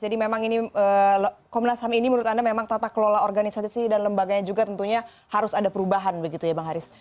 jadi memang komnas ham ini menurut anda memang tata kelola organisasi dan lembaganya juga tentunya harus ada perubahan begitu ya bang haris